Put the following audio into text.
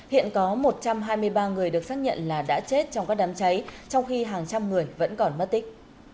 hiện có một trăm hai mươi ba người được xác nhận là đã chết trong các đám cháy trong khi hàng trăm người vẫn còn mất tích